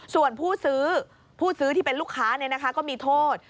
ส่วนผู้ซื้อผู้ซื้อที่เป็นลูกค้าก็มีโทษ